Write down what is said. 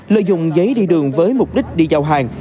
lợi dụng giấy đi đường với mục đích đi giao hàng